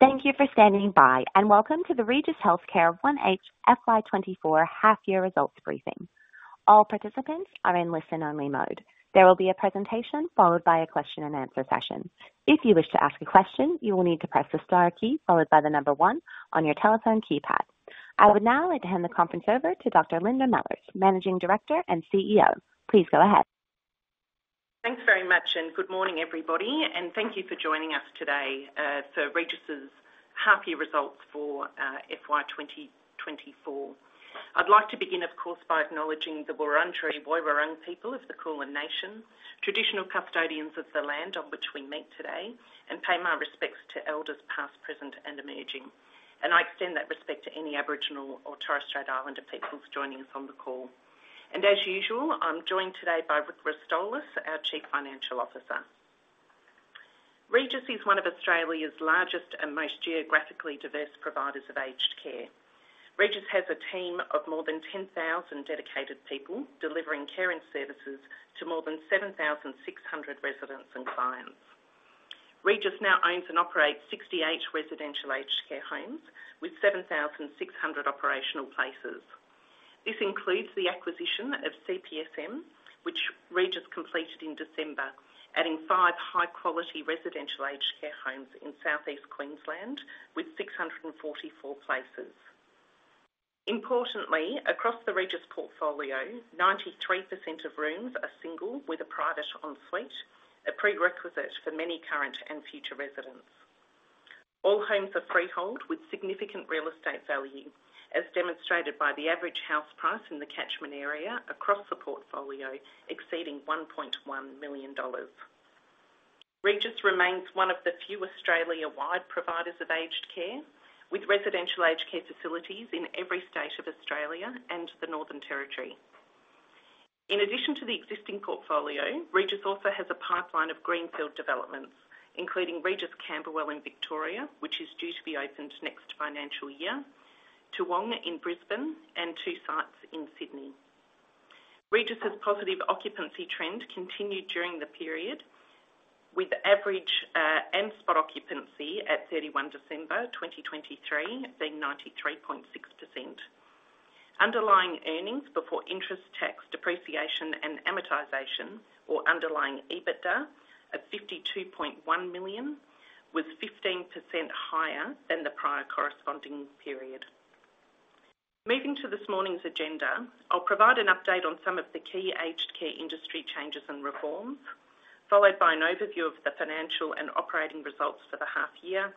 Thank you for standing by, and welcome to the Regis Healthcare H1 FY2024 half-year results briefing. All participants are in listen-only mode. There will be a presentation followed by a question-and-answer session. If you wish to ask a question, you will need to press the star key followed by the number one on your telephone keypad. I would now like to hand the conference over to Dr. Linda Mellors, Managing Director and CEO. Please go ahead. Thanks very much, and good morning, everybody. Thank you for joining us today for Regis's half-year results for FY 2024. I'd like to begin, of course, by acknowledging the Wurundjeri Woi Wurrung people of the Kulin Nation, traditional custodians of the land on which we meet today, and pay my respects to elders past, present, and emerging. I extend that respect to any Aboriginal or Torres Strait Islander peoples joining us on the call. As usual, I'm joined today by Rick Rostolis, our Chief Financial Officer. Regis is one of Australia's largest and most geographically diverse providers of aged care. Regis has a team of more than 10,000 dedicated people delivering care and services to more than 7,600 residents and clients. Regis now owns and operates 68 residential aged care homes with 7,600 operational places. This includes the acquisition of CPSM, which Regis completed in December, adding five high-quality residential aged care homes in Southeast Queensland with 644 places. Importantly, across the Regis portfolio, 93% of rooms are single with a private en suite, a prerequisite for many current and future residents. All homes are freehold with significant real estate value, as demonstrated by the average house price in the catchment area across the portfolio exceeding 1.1 million dollars. Regis remains one of the few Australia-wide providers of aged care with residential aged care facilities in every state of Australia and the Northern Territory. In addition to the existing portfolio, Regis also has a pipeline of greenfield developments, including Regis Camberwell in Victoria, which is due to be opened next financial year, Toowong in Brisbane, and two sites in Sydney. Regis's positive occupancy trend continued during the period, with average and spot occupancy at 31 December 2023 being 93.6%. Underlying earnings before interest tax, depreciation, and amortization, or underlying EBITDA, of 52.1 million, was 15% higher than the prior corresponding period. Moving to this morning's agenda, I'll provide an update on some of the key aged care industry changes and reforms, followed by an overview of the financial and operating results for the half-year,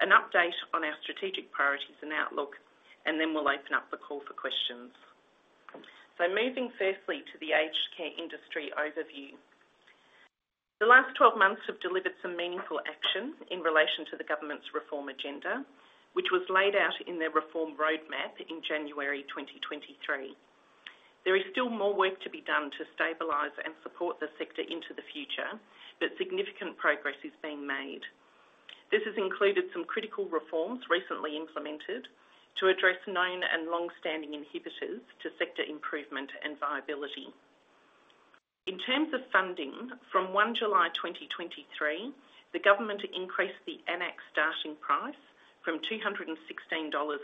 an update on our strategic priorities and outlook, and then we'll open up the call for questions. So moving firstly to the aged care industry overview. The last 12 months have delivered some meaningful action in relation to the government's reform agenda, which was laid out in their reform roadmap in January 2023. There is still more work to be done to stabilise and support the sector into the future, but significant progress is being made. This has included some critical reforms recently implemented to address known and longstanding inhibitors to sector improvement and viability. In terms of funding, from July 1, 2023, the government increased the AN-ACC starting price from 216.80-243.10 dollars,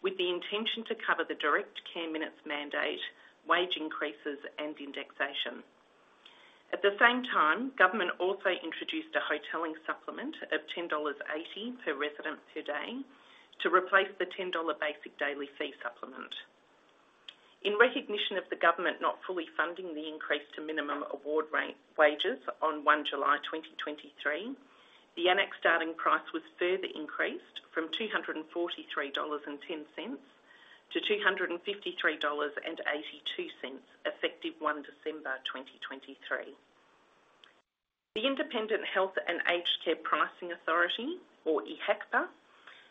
with the intention to cover the direct Care Minutes mandate, wage increases, and indexation. At the same time, government also introduced a Hotelling Supplement of 10.80 dollars per resident per day to replace the 10 dollar basic daily fee supplement. In recognition of the government not fully funding the increase to minimum award wages on July 1, 2023, the AN-ACC starting price was further increased from 243.10-253.82 dollars, effective December 1, 2023. The Independent Health and Aged Care Pricing Authority, or IHACPA,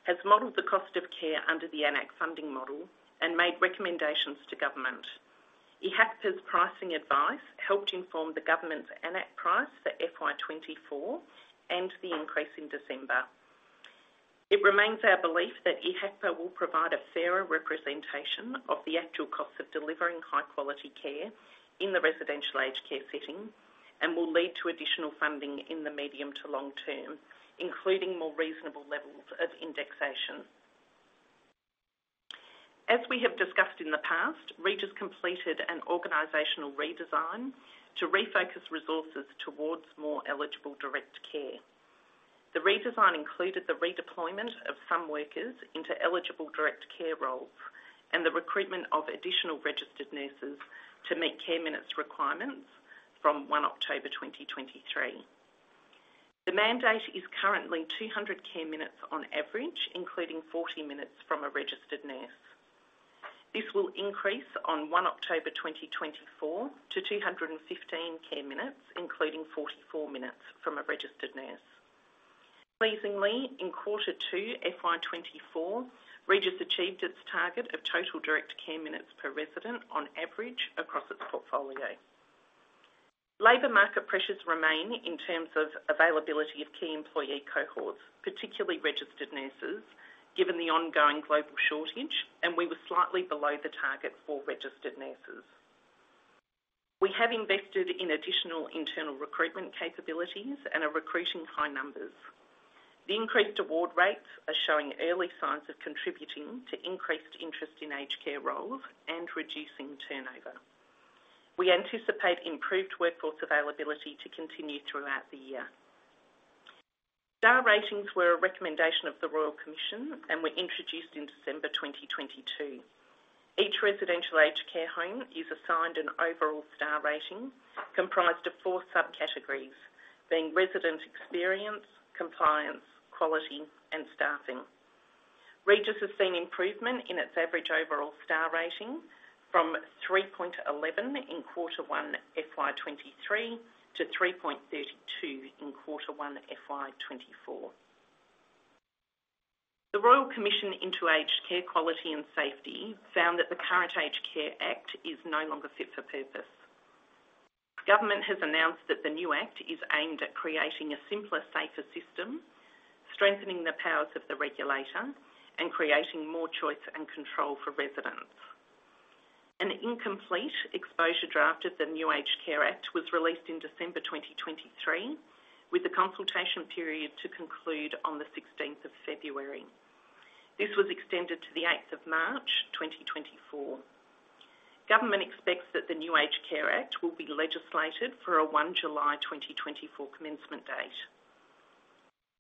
has modeled the cost of care under the AN-ACC funding model and made recommendations to government. IHACPA's pricing advice helped inform the government's index price for FY 2024 and the increase in December. It remains our belief that IHACPA will provide a fairer representation of the actual cost of delivering high-quality care in the residential aged care setting and will lead to additional funding in the medium to long term, including more reasonable levels of indexation. As we have discussed in the past, Regis completed an organizational redesign to refocus resources toward more eligible direct care. The redesign included the redeployment of some workers into eligible direct care roles and the recruitment of additional registered nurses to meet care minutes requirements from October 1, 2023. The mandate is currently 200 care minutes on average, including 40-minutes from a registered nurse. This will increase on October 1, 2024 to 215 care minutes, including 44-minutes from a registered nurse. Pleasingly, in quarter two FY 2024, Regis achieved its target of total direct care minutes per resident on average across its portfolio. Labor market pressures remain in terms of availability of key employee cohorts, particularly registered nurses, given the ongoing global shortage, and we were slightly below the target for registered nurses. We have invested in additional internal recruitment capabilities and are recruiting high numbers. The increased award rates are showing early signs of contributing to increased interest in aged care roles and reducing turnover. We anticipate improved workforce availability to continue throughout the year. Star Ratings were a recommendation of the Royal Commission and were introduced in December 2022. Each residential aged care home is assigned an overall star rating comprised of four subcategories, being resident experience, compliance, quality, and staffing. Regis has seen improvement in its average overall Star Rating from 3.11 in quarter one FY 2023 to 3.32 in quarter one FY 2024. The Royal Commission into Aged Care Quality and Safety found that the current Aged Care Act is no longer fit for purpose. Government has announced that the new act is aimed at creating a simpler, safer system, strengthening the powers of the regulator, and creating more choice and control for residents. An incomplete exposure draft of the new Aged Care Act was released in December 2023, with the consultation period to conclude on the February 16th. This was extended to the 8th of March 2024. Government expects that the new Aged Care Act will be legislated for a July 1, 2024 commencement date.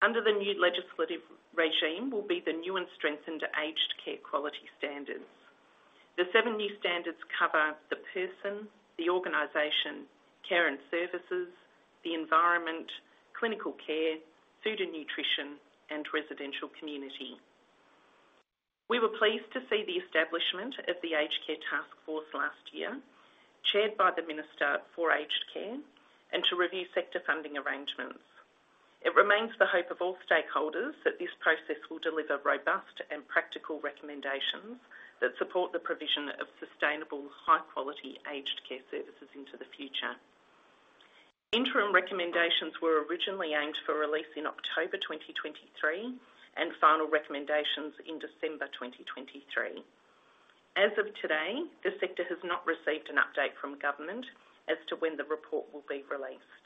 Under the new legislative regime will be the new and strengthened Aged Care Quality Standards. The seven new standards cover the person, the organization, care and services, the environment, clinical care, food and nutrition, and residential community. We were pleased to see the establishment of the Aged Care Task Force last year, chaired by the Minister for Aged Care, and to review sector funding arrangements. It remains the hope of all stakeholders that this process will deliver robust and practical recommendations that support the provision of sustainable, high-quality aged care services into the future. Interim recommendations were originally aimed for release in October 2023 and final recommendations in December 2023. As of today, the sector has not received an update from government as to when the report will be released.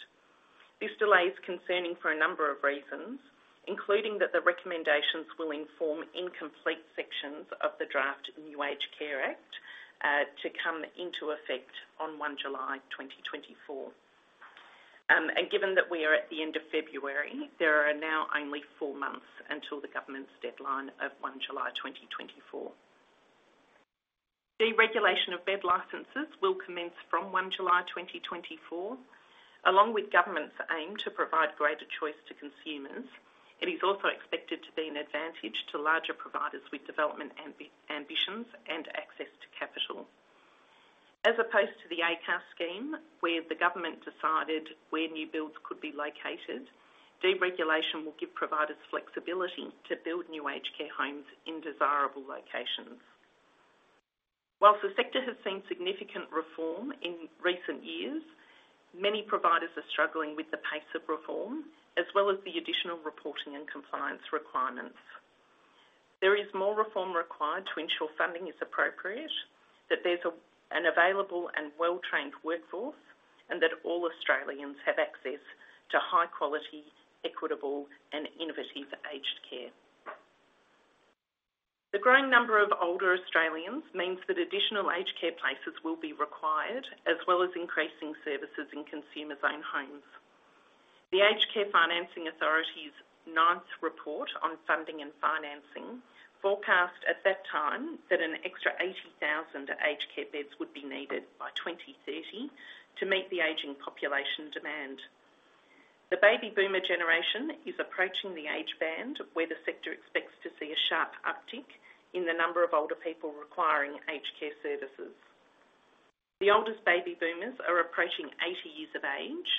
This delay is concerning for a number of reasons, including that the recommendations will inform incomplete sections of the draft new Aged Care Act to come into effect on July 1, 2024. Given that we are at the end of February, there are now only four months until the government's deadline of July 1, 2024. Deregulation of bed licenses will commence from July 1, 2024. Along with government's aim to provide greater choice to consumers, it is also expected to be an advantage to larger providers with development ambitions and access to capital. As opposed to the ACAR scheme, where the government decided where new builds could be located, deregulation will give providers flexibility to build new aged care homes in desirable locations. While the sector has seen significant reform in recent years, many providers are struggling with the pace of reform as well as the additional reporting and compliance requirements. There is more reform required to ensure funding is appropriate, that there's an available and well-trained workforce, and that all Australians have access to high-quality, equitable, and innovative aged care. The growing number of older Australians means that additional aged care places will be required, as well as increasing services in consumer-owned homes. The Aged Care Financing Authority's ninth report on funding and financing forecast at that time that an extra 80,000 aged care beds would be needed by 2030 to meet the aging population demand. The baby boomer generation is approaching the age band where the sector expects to see a sharp uptick in the number of older people requiring aged care services. The oldest baby boomers are approaching 80 years of age,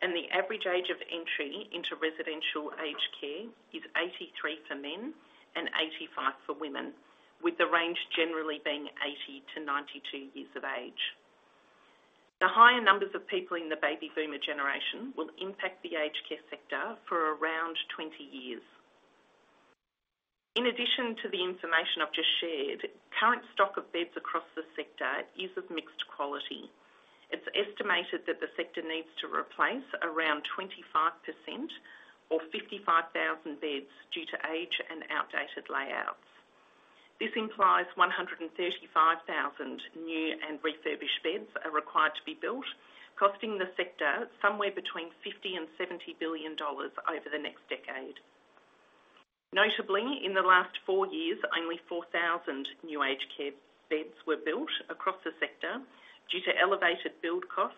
and the average age of entry into residential aged care is 83 for men and 85 for women, with the range generally being 80-92 years of age. The higher numbers of people in the baby boomer generation will impact the aged care sector for around 20 years. In addition to the information I've just shared, current stock of beds across the sector is of mixed quality. It's estimated that the sector needs to replace around 25% or 55,000 beds due to age and outdated layouts. This implies 135,000 new and refurbished beds are required to be built, costing the sector somewhere between 50 billion-70 billion dollars over the next decade. Notably, in the last four years, only 4,000 new aged care beds were built across the sector due to elevated build costs,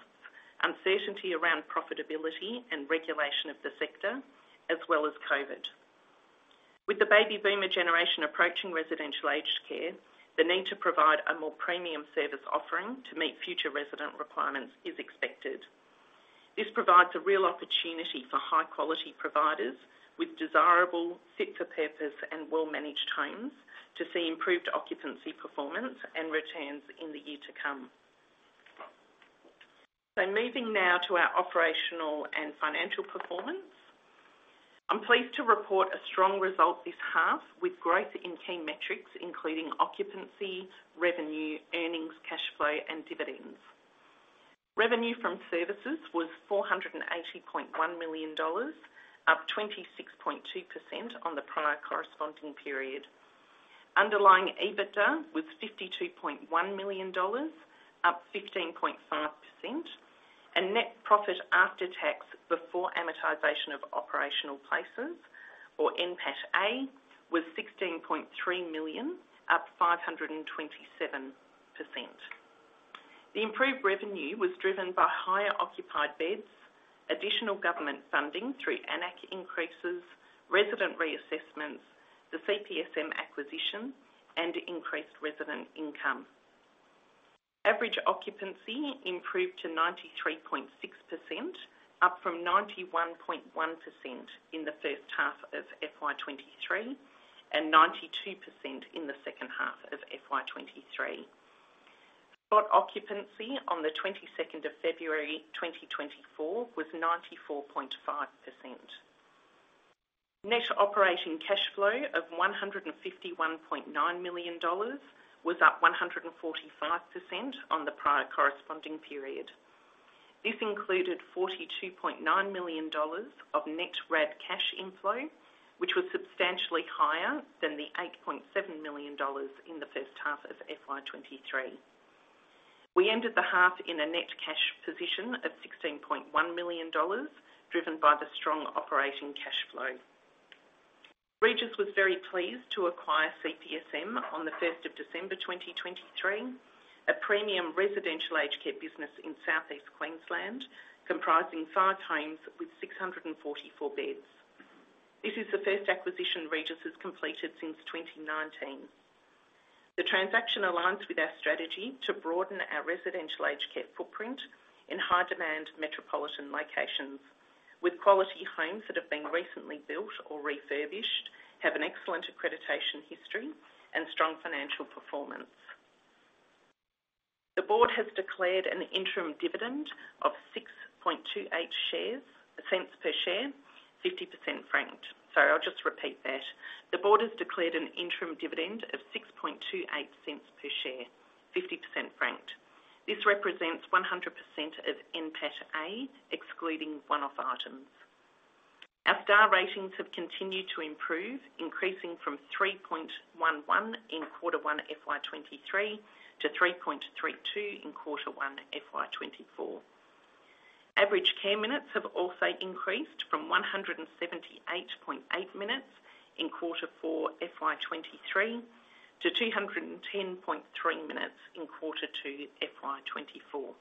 uncertainty around profitability and regulation of the sector, as well as COVID. With the baby boomer generation approaching residential aged care, the need to provide a more premium service offering to meet future resident requirements is expected. This provides a real opportunity for high-quality providers with desirable, fit-for-purpose, and well-managed homes to see improved occupancy performance and returns in the year to come. Moving now to our operational and financial performance, I'm pleased to report a strong result this half with growth in key metrics, including occupancy, revenue, earnings, cash flow, and dividends. Revenue from services was 480.1 million dollars, up 26.2% on the prior corresponding period. Underlying EBITDA was 52.1 million dollars, up 15.5%. Net profit after tax before amortization of operational places, or NPATA, was 16.3 million, up 527%. The improved revenue was driven by higher occupied beds, additional government funding through AN-ACC increases, resident reassessments, the CPSM acquisition, and increased resident income. Average occupancy improved to 93.6%, up from 91.1% in the first half of FY 2023 and 92% in the second half of FY 2023. Spot occupancy on the February 22nd, 2024 was 94.5%. Net operating cash flow of 151.9 million dollars was up 145% on the prior corresponding period. This included 42.9 million dollars of net RAD cash inflow, which was substantially higher than the 8.7 million dollars in the first half of FY 2023. We ended the half in a net cash position of 16.1 million dollars, driven by the strong operating cash flow. Regis was very pleased to acquire CPSM on the December 1st, 2023, a premium residential aged care business in Southeast Queensland comprising five homes with 644 beds. This is the first acquisition Regis has completed since 2019. The transaction aligns with our strategy to broaden our residential aged care footprint in high-demand metropolitan locations, with quality homes that have been recently built or refurbished, have an excellent accreditation history, and strong financial performance. The board has declared an interim dividend of 0.0628 per share, 50% frank. Sorry, I'll just repeat that. The board has declared an interim dividend of 0.0628 per share, 50% frank. This represents 100% of NPATA, excluding one-off items. Our Star Ratings have continued to improve, increasing from 3.11 in quarter one FY 2023 to 3.32 in quarter one FY 2024. Average Care Minutes have also increased from 178.8 minutes in quarter four FY 2023 to 210.3 minutes in quarter two FY 2024.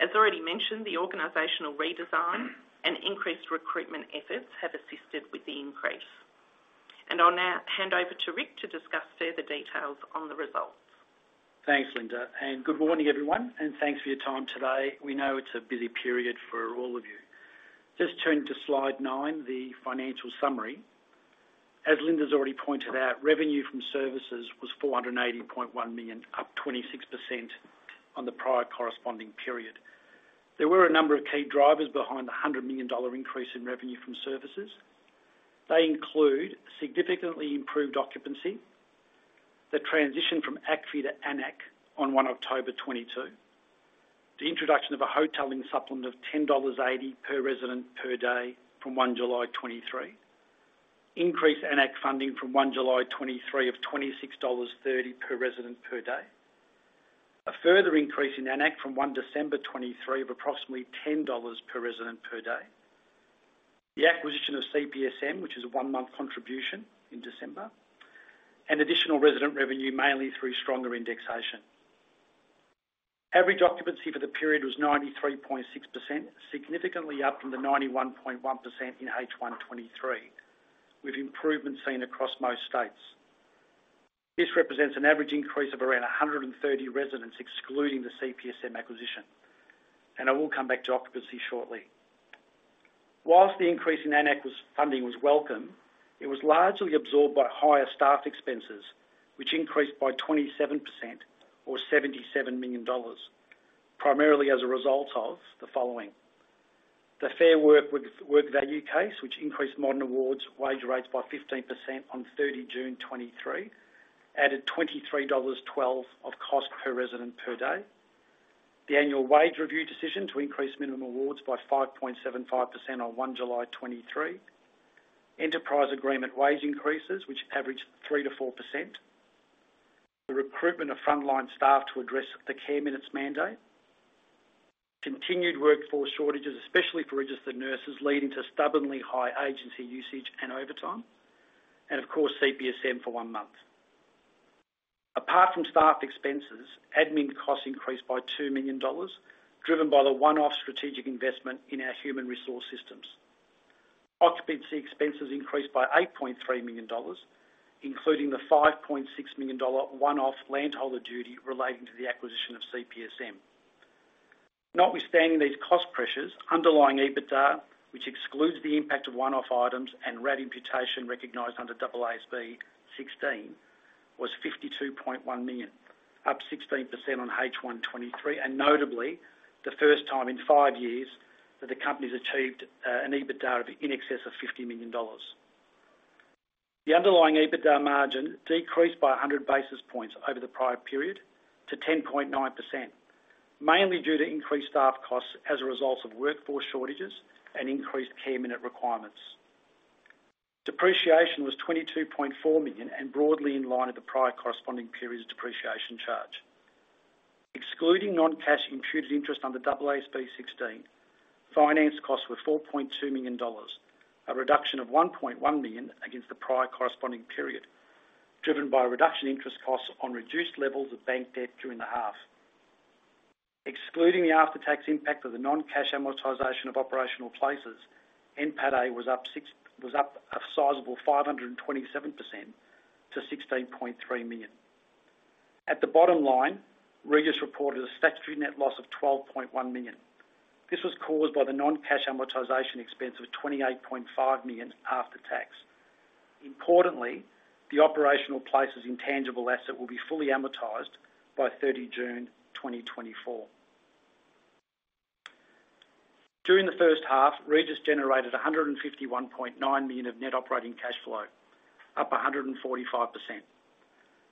As already mentioned, the organizational redesign and increased recruitment efforts have assisted with the increase. And I'll now hand over to Rick to discuss further details on the results. Thanks, Linda. And good morning, everyone. And thanks for your time today. We know it's a busy period for all of you. Just turning to Slide 9, the financial summary. As Linda's already pointed out, revenue from services was 480.1 million, up 26% on the prior corresponding period. There were a number of key drivers behind the 100 million dollar increase in revenue from services. They include significantly improved occupancy, the transition from ACFI to AN-ACC on 1 October 2022, the introduction of a hotelling supplement of 10.80 dollars per resident per day from 1 July 2023, increased AN-ACC funding from July 1,2023 of 26.30 dollars per resident per day, a further increase in AN-ACC from December 1, 2023 of approximately 10 dollars per resident per day, the acquisition of CPSM, which is a one-month contribution in December, and additional resident revenue mainly through stronger indexation. Average occupancy for the period was 93.6%, significantly up from the 91.1% in H1 2023, with improvements seen across most states. This represents an average increase of around 130 residents excluding the CPSM acquisition. I will come back to occupancy shortly. While the increase in AN-ACC funding was welcome, it was largely absorbed by higher staff expenses, which increased by 27% or 77 million dollars, primarily as a result of the following: the Fair Work value case, which increased modern awards wage rates by 15% on June 30, 2023, added 23.12 dollars of cost per resident per day, the annual wage review decision to increase minimum awards by 5.75% on July 1, 2023, enterprise agreement wage increases, which averaged 3%-4%, the recruitment of frontline staff to address the Care Minutes mandate, continued workforce shortages, especially for registered nurses, leading to stubbornly high agency usage and overtime, and of course, CPSM for one month. Apart from staff expenses, admin costs increased by 2 million dollars, driven by the one-off strategic investment in our human resource systems. Occupancy expenses increased by 8.3 million dollars, including the 5.6 million dollar one-off Landholder Duty relating to the acquisition of CPSM. Notwithstanding these cost pressures, underlying EBITDA, which excludes the impact of one-off items and RAD imputation recognised under AASB 16, was 52.1 million, up 16% on H1 2023, and notably, the first time in five years that the company's achieved an EBITDA of in excess of 50 million dollars. The underlying EBITDA margin decreased by 100 basis points over the prior period to 10.9%, mainly due to increased staff costs as a result of workforce shortages and increased care minute requirements. Depreciation was 22.4 million and broadly in line with the prior corresponding period's depreciation charge. Excluding non-cash imputed interest under AASB 16, finance costs were 4.2 million dollars, a reduction of 1.1 million against the prior corresponding period, driven by reduced interest costs on reduced levels of bank debt during the half. Excluding the after-tax impact of the non-cash amortization of operational places, NPATA was up a sizable 527% to 16.3 million. At the bottom line, Regis reported a statutory net loss of 12.1 million. This was caused by the non-cash amortization expense of 28.5 million after tax. Importantly, the operational places' intangible asset will be fully amortized by June 30, 2024. During the first half, Regis generated 151.9 million of net operating cash flow, up 145%.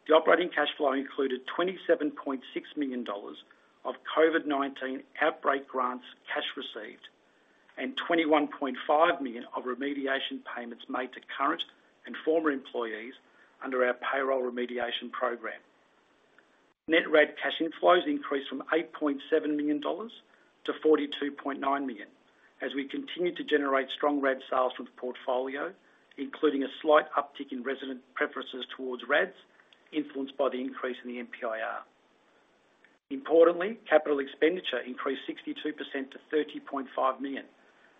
The operating cash flow included 27.6 million dollars of COVID-19 outbreak grants cash received and 21.5 million of remediation payments made to current and former employees under our payroll remediation program. Net RAD cash inflows increased from 8.7 million dollars to 42.9 million as we continue to generate strong RAD sales from the portfolio, including a slight uptick in resident preferences towards RADs influenced by the increase in the NPIR. Importantly, capital expenditure increased 62% to 30.5 million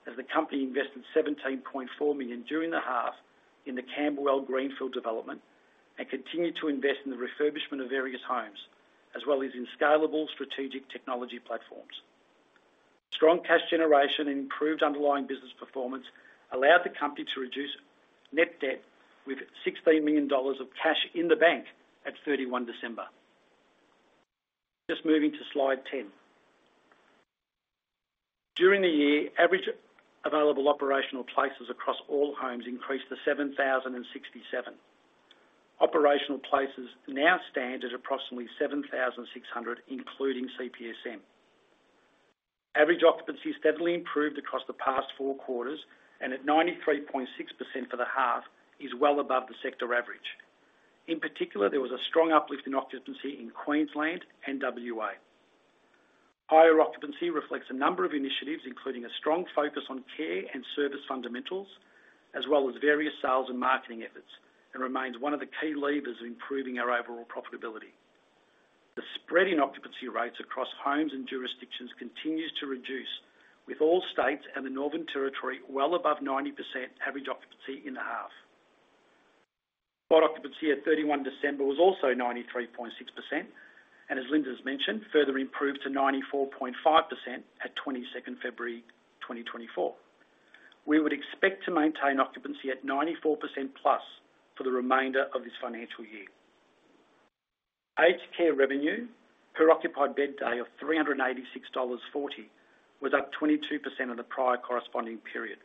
as the company invested 17.4 million during the half in the Camberwell Greenfield development and continued to invest in the refurbishment of various homes, as well as in scalable strategic technology platforms. Strong cash generation and improved underlying business performance allowed the company to reduce net debt with 16 million dollars of cash in the bank at December 31st. Just moving to Slide 10. During the year, average available operational places across all homes increased to 7,067. Operational places now stand at approximately 7,600, including CPSM. Average occupancy steadily improved across the past four quarters, and at 93.6% for the half, is well above the sector average. In particular, there was a strong uplift in occupancy in Queensland and WA. Higher occupancy reflects a number of initiatives, including a strong focus on care and service fundamentals, as well as various sales and marketing efforts, and remains one of the key levers of improving our overall profitability. The spread in occupancy rates across homes and jurisdictions continues to reduce, with all states and the Northern Territory well above 90% average occupancy in the half. Spot occupancy at December 31st was also 93.6% and, as Linda's mentioned, further improved to 94.5% at 22nd February 2024. We would expect to maintain occupancy at 94%+ for the remainder of this financial year. Aged care revenue, per occupied bed day of AUD 386.40, was up 22% on the prior corresponding period.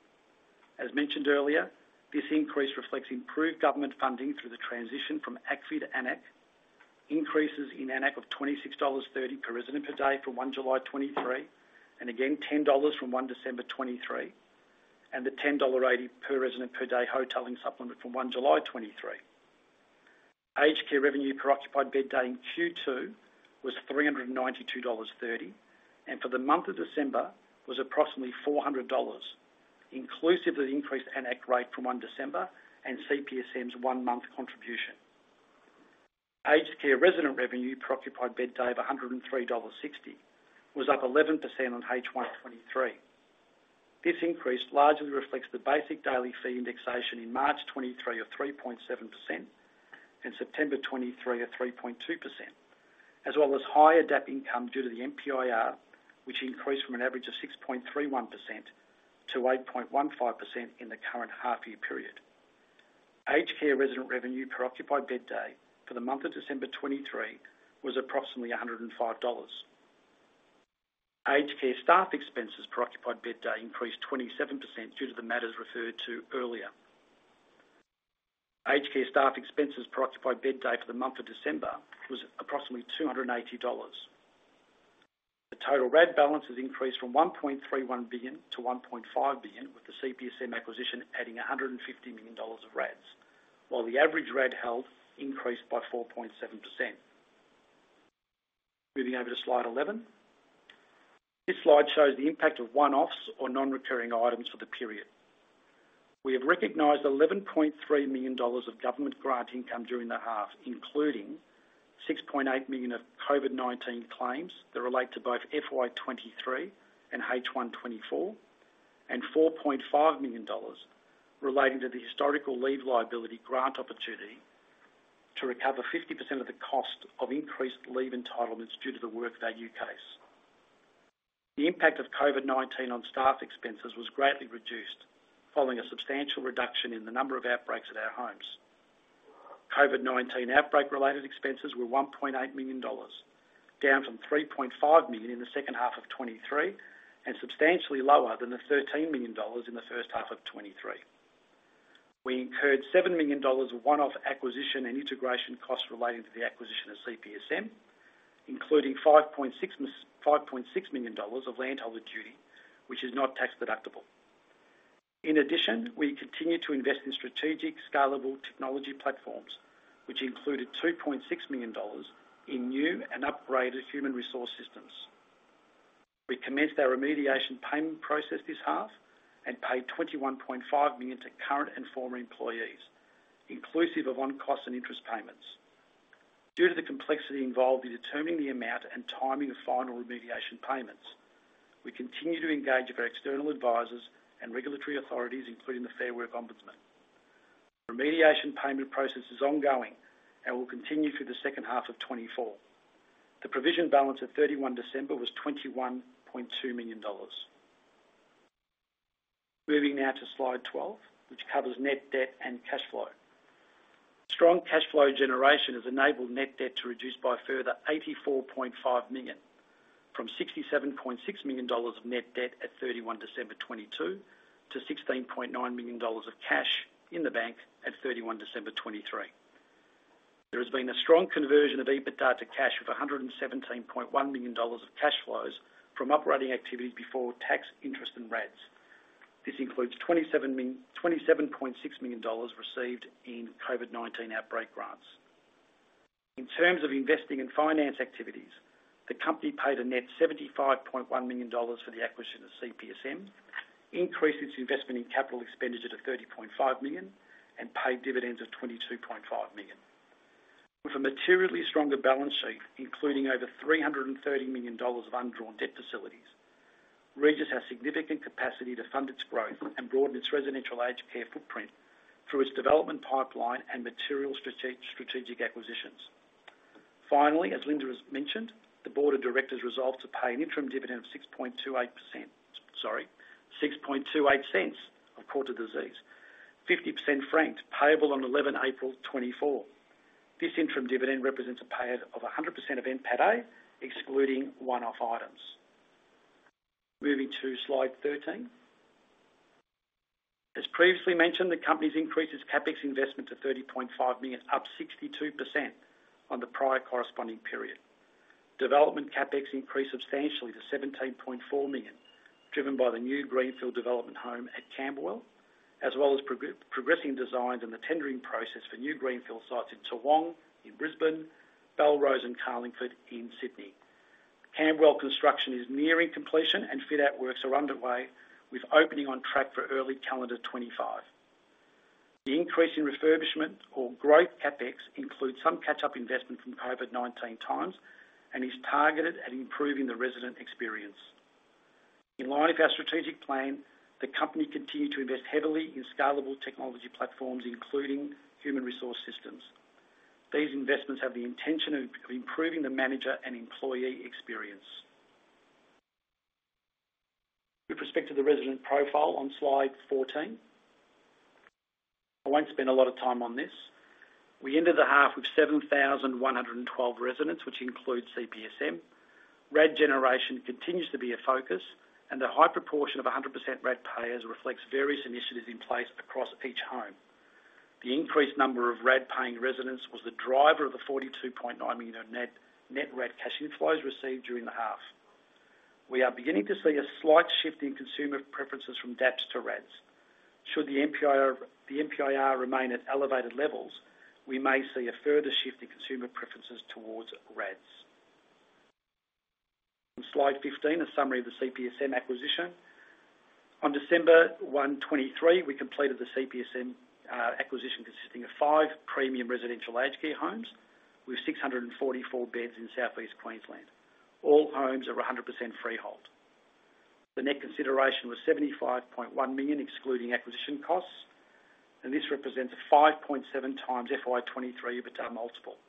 As mentioned earlier, this increase reflects improved government funding through the transition from ACFI to AN-ACC, increases in AN-ACC of 26.30 dollars per resident per day from 1 July 2023 and again 10 dollars from 1 December 2023, and the 10.80 per resident per day Hotelling Supplement from 1 July 2023. Aged care revenue per occupied bed day in Q2 was 392.30 dollars and for the month of December was approximately 400 dollars, inclusive of the increased AN-ACC rate from 1 December and CPSM's one-month contribution. Aged care resident revenue per occupied bed day of 103.60 dollars was up 11% on H1 2023. This increase largely reflects the basic daily fee indexation in March 2023 of 3.7% and September 2023 of 3.2%, as well as higher DAP income due to the NPIR, which increased from an average of 6.31% to 8.15% in the current half-year period. Aged care resident revenue per occupied bed day for the month of December 2023 was approximately 105 dollars. Aged care staff expenses per occupied bed day increased 27% due to the matters referred to earlier. Aged care staff expenses per occupied bed day for the month of December was approximately 280 dollars. The total RAD balance has increased from 1.31 billion to 1.5 billion, with the CPSM acquisition adding 150 million dollars of RADs, while the average RAD held increased by 4.7%. Moving over to Slide 11. This slide shows the impact of one-offs or non-recurring items for the period. We have recognized 11.3 million dollars of government grant income during the half, including 6.8 million of COVID-19 claims that relate to both FY 2023 and H1 2024, and 4.5 million dollars relating to the historical leave liability grant opportunity to recover 50% of the cost of increased leave entitlements due to the work value case. The impact of COVID-19 on staff expenses was greatly reduced following a substantial reduction in the number of outbreaks at our homes. COVID-19 outbreak-related expenses were 1.8 million dollars, down from 3.5 million in the second half of 2023 and substantially lower than the 13 million dollars in the first half of 2023. We incurred 7 million dollars of one-off acquisition and integration costs relating to the acquisition of CPSM, including 5.6 million dollars of Landholder Duty, which is not tax deductible. In addition, we continue to invest in strategic scalable technology platforms, which included 2.6 million dollars in new and upgraded human resource systems. We commenced our remediation payment process this half and paid 21.5 million to current and former employees, inclusive of on-cost and interest payments. Due to the complexity involved in determining the amount and timing of final remediation payments, we continue to engage with our external advisors and regulatory authorities, including the Fair Work Ombudsman. The remediation payment process is ongoing and will continue through the second half of 2024. The provision balance of 31 December was 21.2 million dollars. Moving now to Slide 12, which covers net debt and cash flow. Strong cash flow generation has enabled net debt to reduce by a further 84.5 million from 67.6 million dollars of net debt at 31 December 2022 to 16.9 million dollars of cash in the bank at 31 December 2023. There has been a strong conversion of EBITDA to cash with 117.1 million dollars of cash flows from operating activities before tax, interest, and RADs. This includes 27.6 million dollars received in COVID-19 outbreak grants. In terms of investing in finance activities, the company paid a net 75.1 million dollars for the acquisition of CPSM, increased its investment in capital expenditure to 30.5 million, and paid dividends of 22.5 million. With a materially stronger balance sheet, including over 330 million dollars of undrawn debt facilities, Regis has significant capacity to fund its growth and broaden its residential aged care footprint through its development pipeline and material strategic acquisitions. Finally, as Linda has mentioned, the board of directors resolved to pay an interim dividend of 0.0628 per ordinary share, 50% franked, payable on 11 April 2024. This interim dividend represents a payout of 100% of NPATA, excluding one-off items. Moving to slide 13. As previously mentioned, the company has increased its CapEx investment to 30.5 million, up 62% on the prior corresponding period. Development CapEx increased substantially to 17.4 million, driven by the new Greenfield development home at Camberwell, as well as progressing designs and the tendering process for new Greenfield sites in Toowong in Brisbane, Belrose, and Carlingford in Sydney. Camberwell construction is nearing completion, and fit-out works are underway with opening on track for early calendar 2025. The increase in refurbishment or growth CapEx includes some catch-up investment from COVID-19 times and is targeted at improving the resident experience. In line with our strategic plan, the company continues to invest heavily in scalable technology platforms, including human resource systems. These investments have the intention of improving the manager and employee experience. With respect to the resident profile on Slide 14, I won't spend a lot of time on this. We ended the half with 7,112 residents, which includes CPSM. RAD generation continues to be a focus, and the high proportion of 100% RAD payers reflects various initiatives in place across each home. The increased number of RAD-paying residents was the driver of the 42.9 million net RAD cash inflows received during the half. We are beginning to see a slight shift in consumer preferences from DAPs to RADs. Should the NPIR remain at elevated levels, we may see a further shift in consumer preferences towards RADs. On Slide 15, a summary of the CPSM acquisition. On December 1, 2023, we completed the CPSM acquisition consisting of five premium residential aged care homes with 644 beds in Southeast Queensland. All homes are 100% freehold. The net consideration was 75.1 million, excluding acquisition costs, and this represents a 5.7x FY23 EBITDA multiple,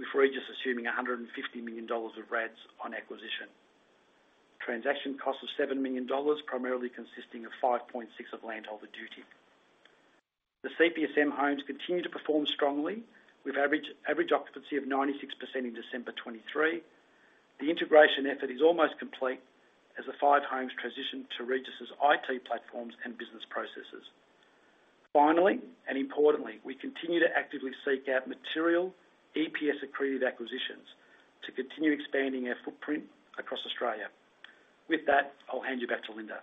with Regis assuming 150 million dollars of RADs on acquisition. Transaction costs of 7 million dollars, primarily consisting of 5.6 million of Landholder Duty. The CPSM homes continue to perform strongly, with average occupancy of 96% in December 2023. The integration effort is almost complete as the five homes transition to Regis's IT platforms and business processes. Finally, and importantly, we continue to actively seek out material EPS-accretive acquisitions to continue expanding our footprint across Australia. With that, I'll hand you back to Linda.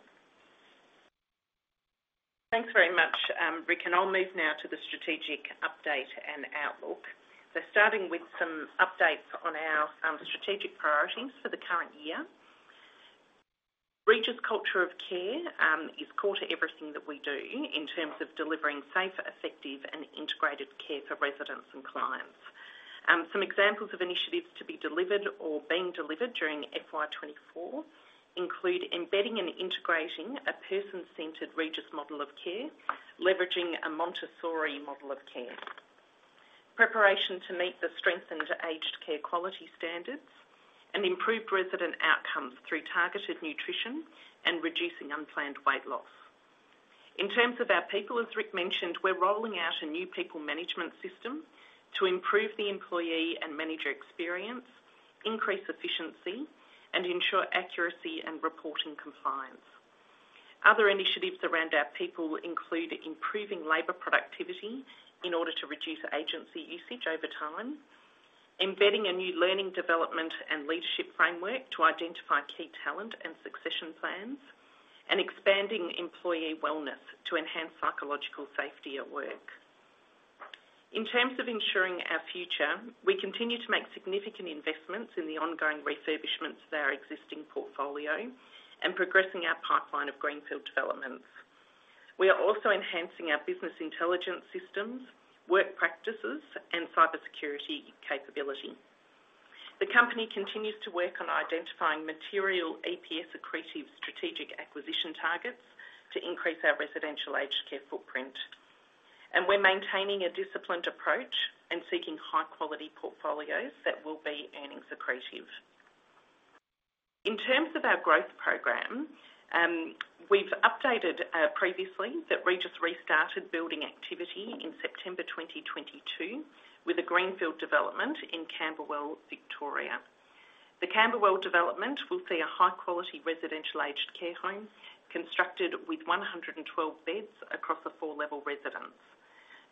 Thanks very much, Rick, and I'll move now to the strategic update and outlook. Starting with some updates on our strategic priorities for the current year. Regis' culture of care is core to everything that we do in terms of delivering safe, effective, and integrated care for residents and clients. Some examples of initiatives to be delivered or being delivered during FY 2024 include embedding and integrating a person-centered Regis model of care, leveraging a Montessori model of care, preparation to meet the strengthened Aged Care Quality Standards, and improved resident outcomes through targeted nutrition and reducing unplanned weight loss. In terms of our people, as Rick mentioned, we're rolling out a new people management system to improve the employee and manager experience, increase efficiency, and ensure accuracy and reporting compliance. Other initiatives around our people include improving labor productivity in order to reduce agency usage over time, embedding a new learning, development, and leadership framework to identify key talent and succession plans, and expanding employee wellness to enhance psychological safety at work. In terms of ensuring our future, we continue to make significant investments in the ongoing refurbishments of our existing portfolio and progressing our pipeline of greenfield developments. We are also enhancing our business intelligence systems, work practices, and cybersecurity capability. The company continues to work on identifying material EPS-accretive strategic acquisition targets to increase our residential aged care footprint, and we're maintaining a disciplined approach and seeking high-quality portfolios that will be earnings-accretive. In terms of our growth program, we've updated previously that Regis restarted building activity in September 2022 with a greenfield development in Camberwell, Victoria. The Camberwell development will see a high-quality residential aged care home constructed with 112 beds across a four-level residence.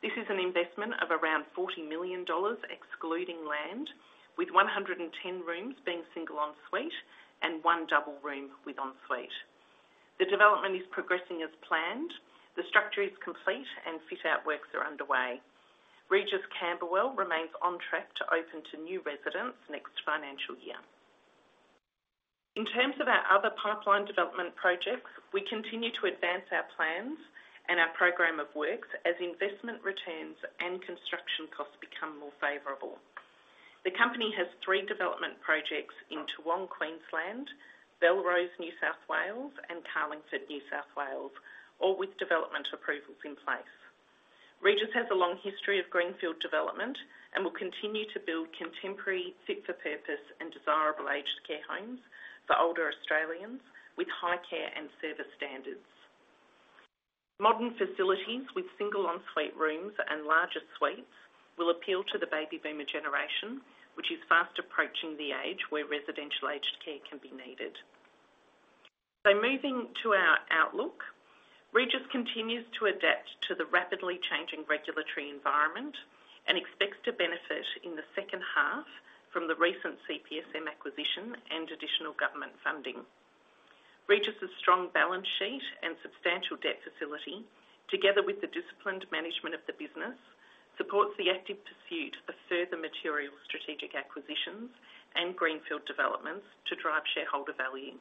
This is an investment of around 40 million dollars, excluding land, with 110 rooms being single en-suite and one double room with en-suite. The development is progressing as planned. The structure is complete, and fit-out works are underway. Regis Camberwell remains on track to open to new residents next financial year. In terms of our other pipeline development projects, we continue to advance our plans and our program of works as investment returns and construction costs become more favorable. The company has three development projects in Toowong, Queensland, Belrose, New South Wales, and Carlingford, New South Wales, all with development approvals in place. Regis has a long history of greenfield development and will continue to build contemporary, fit-for-purpose, and desirable aged care homes for older Australians with high care and service standards. Modern facilities with single en-suite rooms and larger suites will appeal to the baby boomer generation, which is fast approaching the age where residential aged care can be needed. Moving to our outlook, Regis continues to adapt to the rapidly changing regulatory environment and expects to benefit in the second half from the recent CPSM acquisition and additional government funding. Regis's strong balance sheet and substantial debt facility, together with the disciplined management of the business, supports the active pursuit of further material strategic acquisitions and greenfield developments to drive shareholder value.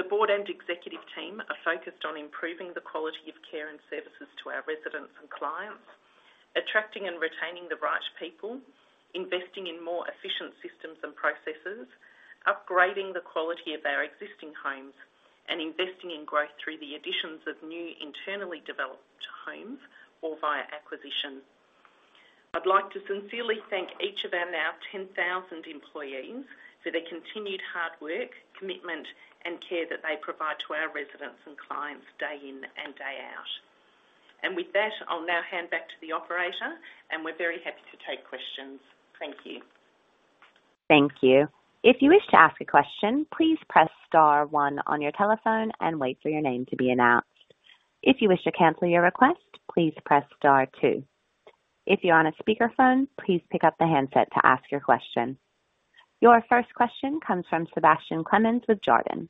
The board and executive team are focused on improving the quality of care and services to our residents and clients, attracting and retaining the right people, investing in more efficient systems and processes, upgrading the quality of our existing homes, and investing in growth through the additions of new internally developed homes or via acquisition. I'd like to sincerely thank each of our now 10,000 employees for their continued hard work, commitment, and care that they provide to our residents and clients day in and day out. With that, I'll now hand back to the operator, and we're very happy to take questions. Thank you. Thank you. If you wish to ask a question, please press star one on your telephone and wait for your name to be announced. If you wish to cancel your request, please press star two. If you're on a speakerphone, please pick up the handset to ask your question. Your first question comes from Sebastian Clemens with Jarden.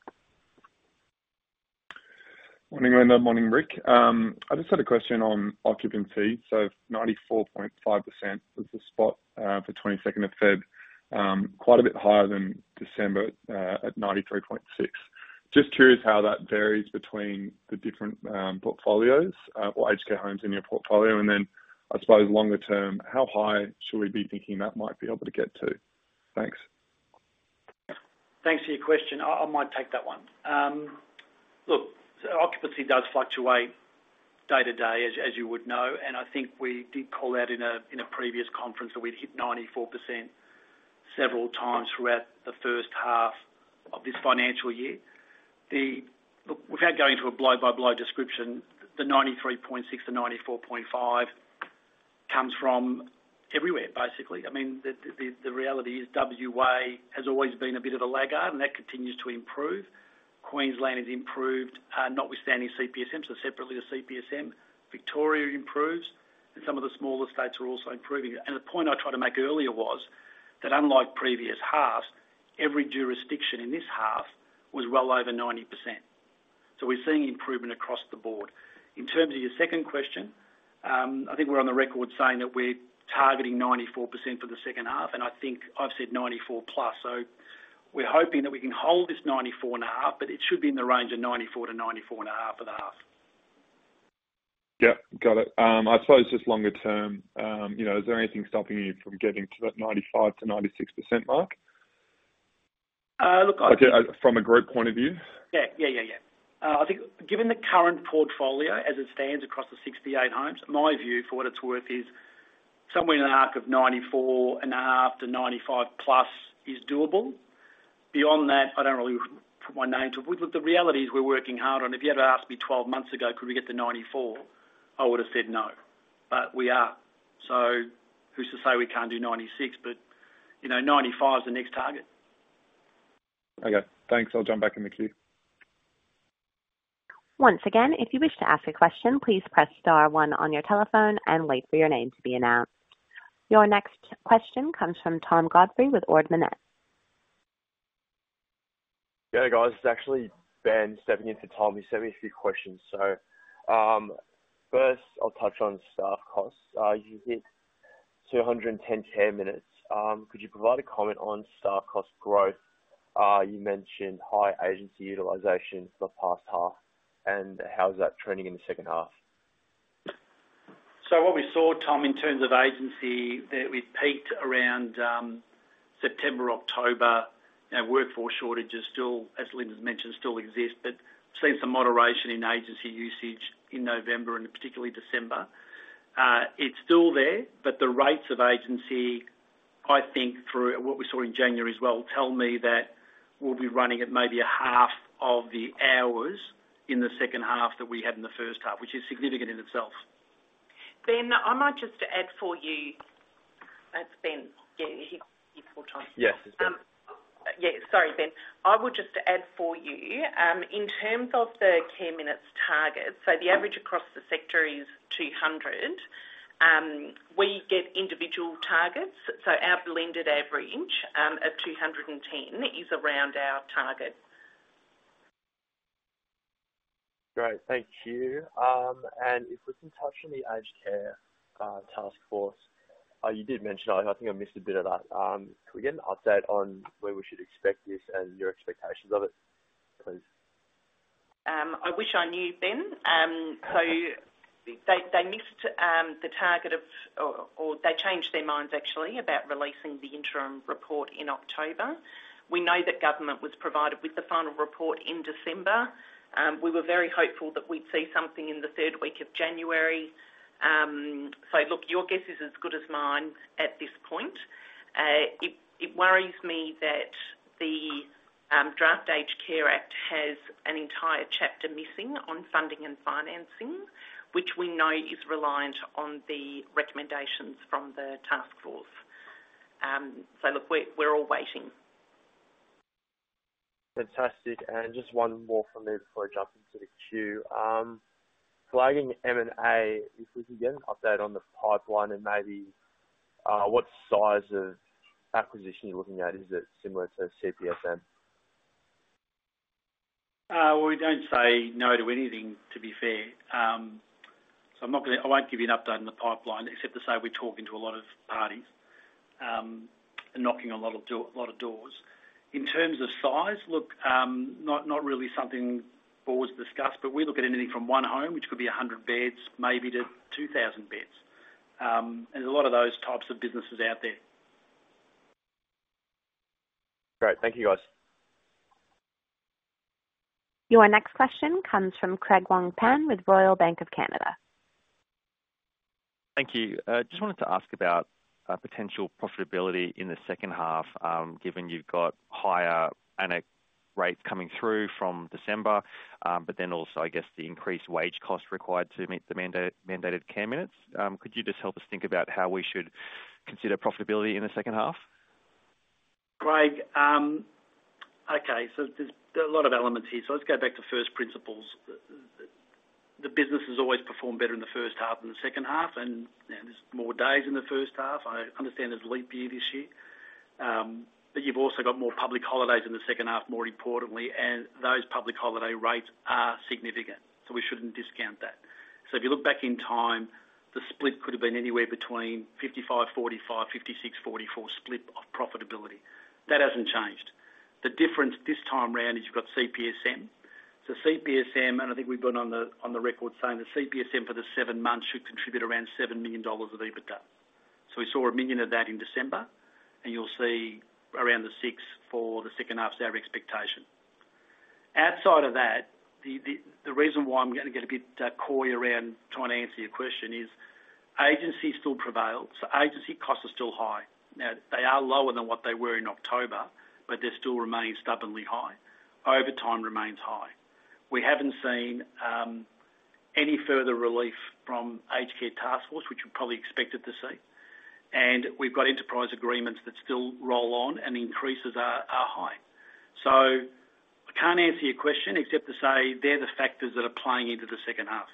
Morning, Linda. Morning, Rick. I just had a question on occupancy. So 94.5% was the spot for 22nd of February, quite a bit higher than December at 93.6%. Just curious how that varies between the different portfolios or aged care homes in your portfolio. And then, I suppose, longer term, how high should we be thinking that might be able to get to? Thanks. Thanks for your question. I might take that one. Look, occupancy does fluctuate day to day, as you would know. I think we did call out in a previous conference that we'd hit 94% several times throughout the first half of this financial year. Look, without going to a blow-by-blow description, the 93.6%-94.5% comes from everywhere, basically. I mean, the reality is WA has always been a bit of a laggard, and that continues to improve. Queensland has improved, notwithstanding CPSM, so separately to CPSM. Victoria improves, and some of the smaller states are also improving. The point I tried to make earlier was that, unlike previous halves, every jurisdiction in this half was well over 90%. We're seeing improvement across the board. In terms of your second question, I think we're on the record saying that we're targeting 94% for the second half, and I think I've said 94+%. So we're hoping that we can hold this 94.5%, but it should be in the range of 94%-94.5% for the half. Yeah. Got it. I suppose just longer term, is there anything stopping you from getting to that 95%-96% mark? Look, I. From a group point of view? Yeah. Yeah. Yeah. Yeah. I think given the current portfolio as it stands across the 68 homes, my view for what it's worth is somewhere in the arc of 94.5%-95+% is doable. Beyond that, I don't really put my name to it. Look, the reality is we're working hard on it. If you had asked me 12 months ago, "Could we get to 94%?" I would have said no. But we are. So who's to say we can't do 96%? But 95% the next target. Okay. Thanks. I'll jump back in the queue. Once again, if you wish to ask a question, please press star one on your telephone and wait for your name to be announced. Your next question comes from Tom Godfrey with Ord Minnett. Yeah, guys. It's actually Ben stepping in for Tom. He sent me a few questions. So first, I'll touch on staff costs. You hit 210 care minutes. Could you provide a comment on staff cost growth? You mentioned high agency utilization for the past half. And how's that trending in the second half? So what we saw, Tom, in terms of agency, we peaked around September, October. Workforce shortages, as Linda's mentioned, still exist, but we've seen some moderation in agency usage in November and particularly December. It's still there, but the rates of agency, I think, through what we saw in January as well, tell me that we'll be running at maybe a half of the hours in the second half that we had in the first half, which is significant in itself. Ben, I might just add for you, that's Ben. Yeah. He's full-time. Yes. It's Ben. Yeah. Sorry, Ben. I would just add for you, in terms of the Care Minutes target, so the average across the sector is 200. We get individual targets. Our blended average of 210 is around our target. Great. Thank you. And if we can touch on the Aged Care Task Force, you did mention I think I missed a bit of that. Could we get an update on where we should expect this and your expectations of it, please? I wish I knew, Ben. So they missed the target of or they changed their minds, actually, about releasing the interim report in October. We know that government was provided with the final report in December. We were very hopeful that we'd see something in the third week of January. So look, your guess is as good as mine at this point. It worries me that the Draft Aged Care Act has an entire chapter missing on funding and financing, which we know is reliant on the recommendations from the task force. So look, we're all waiting. Fantastic. Just one more from me before I jump into the queue. Flagging M&A, if we can get an update on the pipeline and maybe what size of acquisition you're looking at. Is it similar to CPSM? Well, we don't say no to anything, to be fair. So I won't give you an update on the pipeline except to say we're talking to a lot of parties and knocking on a lot of doors. In terms of size, look, not really something boards discuss, but we look at anything from one home, which could be 100 beds, maybe to 2,000 beds. And there's a lot of those types of businesses out there. Great. Thank you, guys. Your next question comes from Craig Wong-Pan with Royal Bank of Canada. Thank you. Just wanted to ask about potential profitability in the second half, given you've got higher AN-ACC rates coming through from December, but then also, I guess, the increased wage cost required to meet the mandated Care Minutes. Could you just help us think about how we should consider profitability in the second half? Craig, okay. So there's a lot of elements here. So let's go back to first principles. The business has always performed better in the first half than the second half, and there's more days in the first half. I understand there's a leap year this year. But you've also got more public holidays in the second half, more importantly, and those public holiday rates are significant, so we shouldn't discount that. So if you look back in time, the split could have been anywhere between 55-45, 56-44 split of profitability. That hasn't changed. The difference this time round is you've got CPSM. And I think we've gone on the record saying the CPSM for the seven months should contribute around 7 million dollars of EBITDA. So we saw 1 million of that in December, and you'll see around 6 million for the second half; that's our expectation. Outside of that, the reason why I'm going to get a bit coy around trying to answer your question is agency still prevails. Agency costs are still high. Now, they are lower than what they were in October, but they still remain stubbornly high. Overtime remains high. We haven't seen any further relief from Aged Care Taskforce, which we probably expected to see. And we've got enterprise agreements that still roll on, and increases are high. So I can't answer your question except to say they're the factors that are playing into the second half.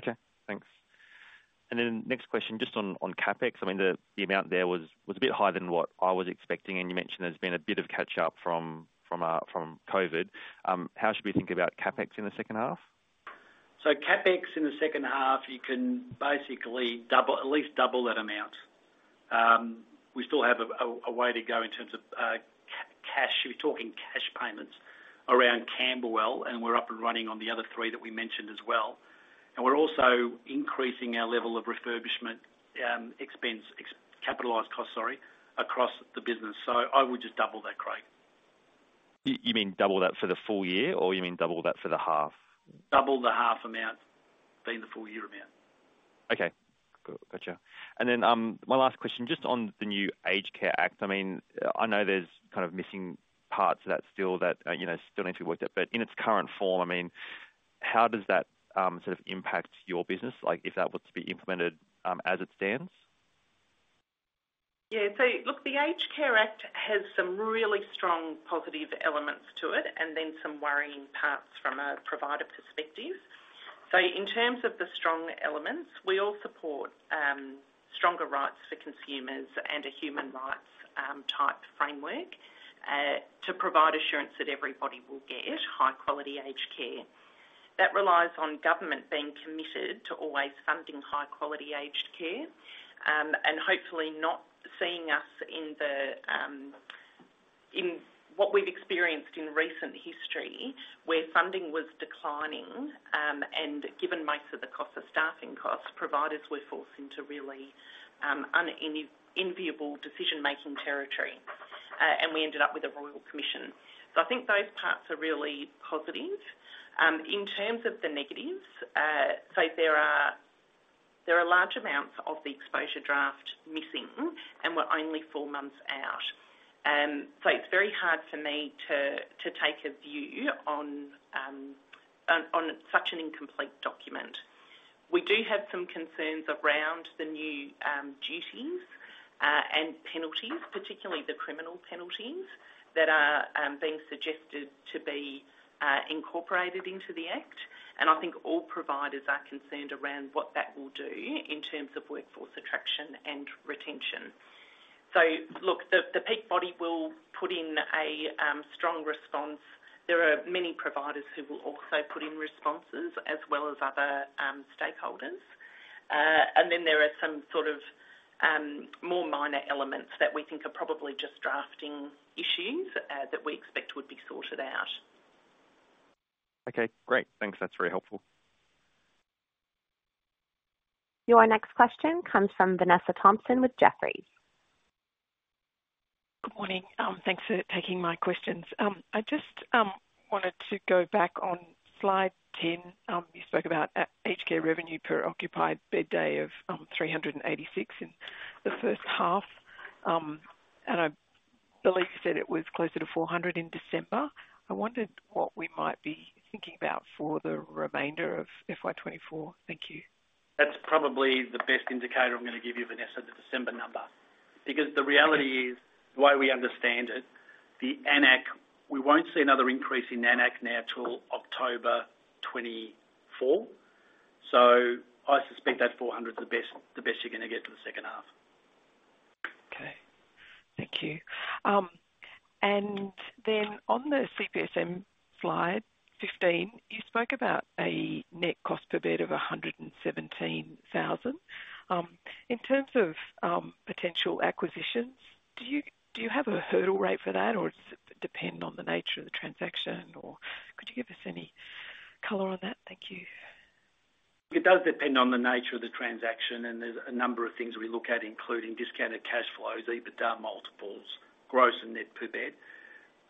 Okay. Thanks. And then next question, just on CapEx. I mean, the amount there was a bit higher than what I was expecting, and you mentioned there's been a bit of catch-up from COVID. How should we think about CapEx in the second half? So CapEx in the second half, you can basically at least double that amount. We still have a way to go in terms of cash. We're talking cash payments around Camberwell, and we're up and running on the other three that we mentioned as well. And we're also increasing our level of refurbishment expense capitalize cost, sorry, across the business. So I would just double that, Craig. You mean double that for the full year, or you mean double that for the half? Double the half amount being the full year amount. Okay. Gotcha. And then my last question, just on the new Aged Care Act. I mean, I know there's kind of missing parts of that still needs to be worked out, but in its current form, I mean, how does that sort of impact your business if that were to be implemented as it stands? Yeah. So look, the Aged Care Act has some really strong positive elements to it and then some worrying parts from a provider perspective. So in terms of the strong elements, we all support stronger rights for consumers and a human rights-type framework to provide assurance that everybody will get high-quality aged care. That relies on government being committed to always funding high-quality aged care and hopefully not seeing us in what we've experienced in recent history, where funding was declining, and given most of the costs are staffing costs, providers were forced into really unenviable decision-making territory, and we ended up with a Royal Commission. So I think those parts are really positive. In terms of the negatives, so there are large amounts of the exposure draft missing, and we're only four months out. So it's very hard for me to take a view on such an incomplete document. We do have some concerns around the new duties and penalties, particularly the criminal penalties, that are being suggested to be incorporated into the act. I think all providers are concerned around what that will do in terms of workforce attraction and retention. Look, the peak body will put in a strong response. There are many providers who will also put in responses as well as other stakeholders. Then there are some sort of more minor elements that we think are probably just drafting issues that we expect would be sorted out. Okay. Great. Thanks. That's very helpful. Your next question comes from Vanessa Thomson with Jefferies. Good morning. Thanks for taking my questions. I just wanted to go back on Slide 10. You spoke about aged care revenue per occupied bed day of 386 in the first half, and I believe you said it was closer to 400 in December. I wondered what we might be thinking about for the remainder of FY 2024. Thank you. That's probably the best indicator I'm going to give you, Vanessa, the December number. Because the reality is, the way we understand it, we won't see another increase in AN-ACC now till October 2024. So I suspect that 400's the best you're going to get for the second half. Okay. Thank you. And then on the CPSM Slide 15, you spoke about a net cost per bed of 117,000. In terms of potential acquisitions, do you have a hurdle rate for that, or does it depend on the nature of the transaction? Or could you give us any color on that? Thank you. It does depend on the nature of the transaction, and there's a number of things we look at, including discounted cash flows, EBITDA multiples, gross and net per bed.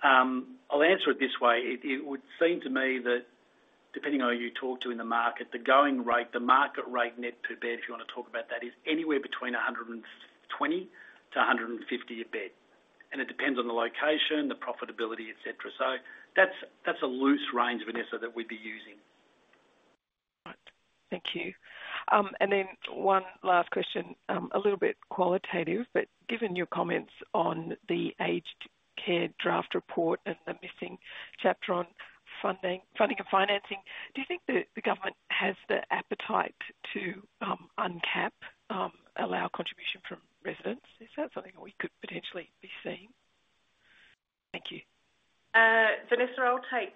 I'll answer it this way. It would seem to me that, depending on who you talk to in the market, the market rate net per bed, if you want to talk about that, is anywhere between AUD120-150 a bed. And it depends on the location, the profitability, etc. So that's a loose range, Vanessa, that we'd be using. Right. Thank you. And then one last question, a little bit qualitative, but given your comments on the aged care draft report and the missing chapter on funding and financing, do you think the government has the appetite to uncap or allow contribution from residents? Is that something we could potentially be seeing? Thank you. Vanessa, I'll take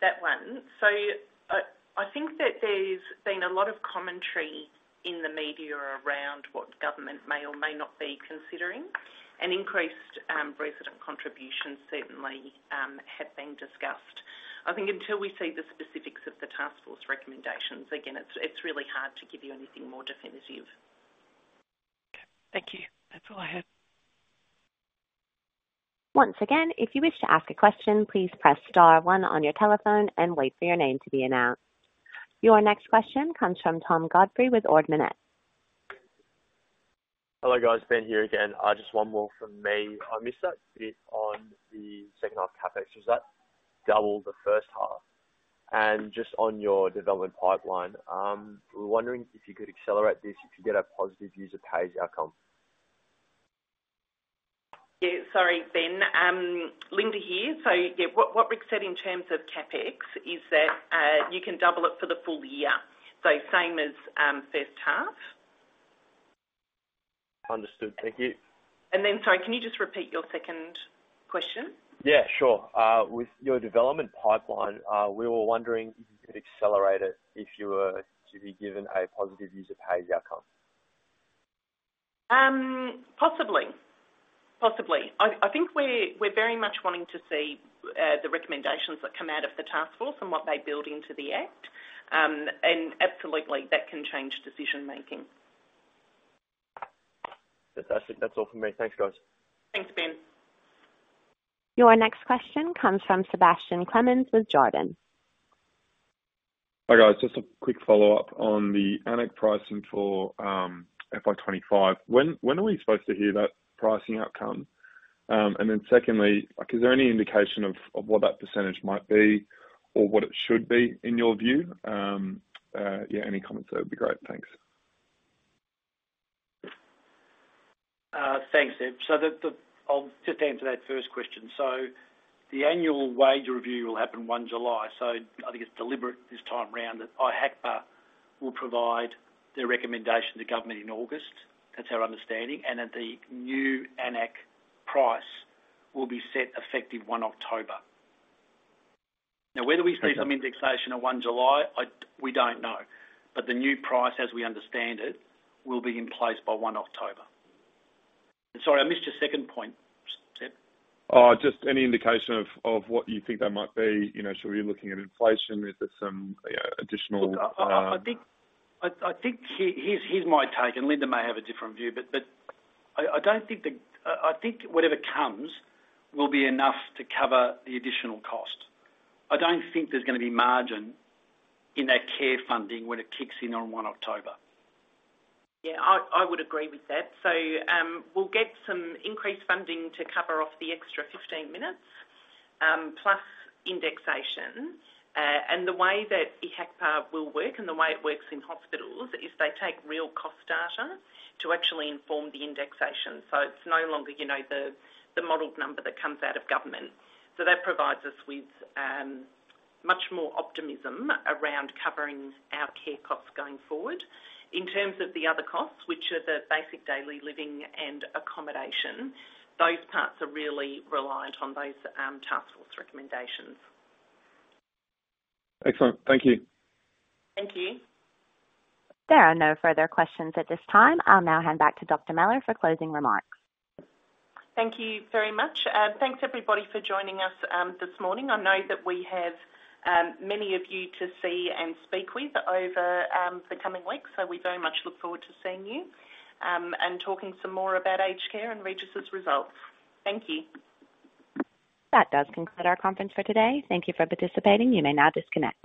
that one. So I think that there's been a lot of commentary in the media around what the government may or may not be considering, and increased resident contribution certainly had been discussed. I think until we see the specifics of the task force recommendations, again, it's really hard to give you anything more definitive. Okay. Thank you. That's all I had. Once again, if you wish to ask a question, please press star one on your telephone and wait for your name to be announced. Your next question comes from Tom Godfrey with Ord Minnett. Hello, guys. Ben here again. Just one more from me. I missed that bit on the second half CapEx. Was that double the first half? And just on your development pipeline, we're wondering if you could accelerate this if you get a positive user pays outcome. Yeah. Sorry, Ben. Linda here. So yeah, what Rick said in terms of CapEx is that you can double it for the full year, so same as first half. Understood. Thank you. And then, sorry, can you just repeat your second question? Yeah. Sure. With your development pipeline, we were wondering if you could accelerate it if you were to be given a positive user pays outcome? Possibly. Possibly. I think we're very much wanting to see the recommendations that come out of the task force and what they build into the act. And absolutely, that can change decision-making. Fantastic. That's all from me. Thanks, guys. Thanks, Ben. Your next question comes from Sebastian Clemens with Jarden. Hi, guys. Just a quick follow-up on the ANAC pricing for FY 2025. When are we supposed to hear that pricing outcome? And then secondly, is there any indication of what that percentage might be or what it should be in your view? Yeah, any comments there would be great. Thanks. Thanks, Seb. I'll just answer that first question. The annual wage review will happen 1 July. I think it's deliberate this time round that IHACPA will provide their recommendation to government in August. That's our understanding. And that the new AN-ACC price will be set effective 1 October. Now, whether we see some indexation on 1 July, we don't know. But the new price, as we understand it, will be in place by 1 October. Sorry, I missed your second point, Seb. Just any indication of what you think that might be? Should we be looking at inflation? Is there some additional? Look, I think here's my take, and Linda may have a different view, but I don't think whatever comes will be enough to cover the additional cost. I don't think there's going to be margin in that care funding when it kicks in on 1 October. Yeah. I would agree with that. So we'll get some increased funding to cover off the extra 15 minutes plus indexation. And the way that IHACPA will work and the way it works in hospitals is they take real cost data to actually inform the indexation. So it's no longer the modeled number that comes out of government. So that provides us with much more optimism around covering our care costs going forward. In terms of the other costs, which are the basic daily living and accommodation, those parts are really reliant on those task force recommendations. Excellent. Thank you. Thank you. There are no further questions at this time. I'll now hand back to Linda Mellors for closing remarks. Thank you very much. Thanks, everybody, for joining us this morning. I know that we have many of you to see and speak with over the coming weeks, so we very much look forward to seeing you and talking some more about aged care and Regis's results. Thank you. That does conclude our conference for today. Thank you for participating. You may now disconnect.